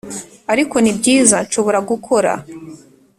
ariko nibyiza nshobora gukora,